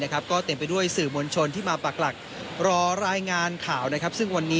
ก็เต็มไปท่านสื่อมณชนที่มาปากหลักรอรายงานข่าวนะครับ